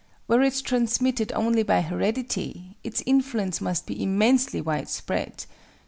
Were it transmitted only by heredity, its influence must be immensely widespread.